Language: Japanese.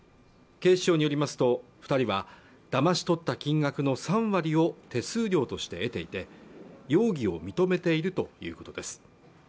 警視庁によりますと二人はだまし取った金額の３割を手数料として得ていて容疑を認めているということです